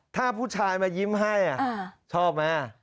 ถ้าผู้ชายมายิ้มให้ชอบไหม